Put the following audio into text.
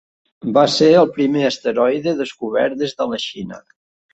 Va ser el primer asteroide descobert des de la Xina.